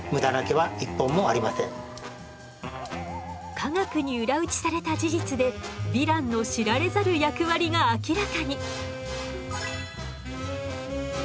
科学に裏打ちされた事実でヴィランの知られざる役割が明らかに。